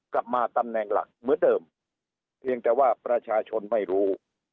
กลับมาตำแหน่งหลักเหมือนเดิมเพียงแต่ว่าประชาชนไม่รู้